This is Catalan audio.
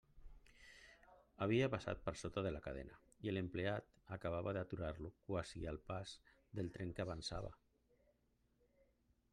Havia passat per sota de la cadena, i l'empleat acabava d'aturar-lo quasi al pas del tren que avançava.